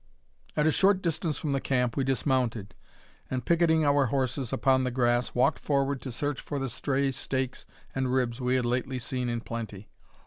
At a short distance from the camp we dismounted, and, picketing our horses upon the grass, walked forward to search for the stray steaks and ribs we had lately seen in plenty.